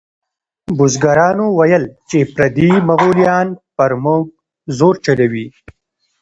بزګرانو ویل چې پردي مغولیان پر موږ زور چلوي.